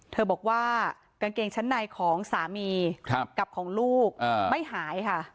บอกว่ากางเกงชั้นในของสามีกับของลูกไม่หายค่ะ